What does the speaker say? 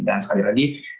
dan sekali lagi